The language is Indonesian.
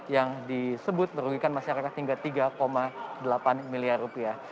yang disebut merugikan masyarakat hingga tiga delapan miliar rupiah